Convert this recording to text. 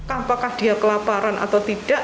apakah dia kelaparan atau tidak